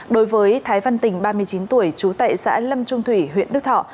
đối với thái văn tình ba mươi chín tuổi trú tại xã lâm trung thủy huyện đức thọ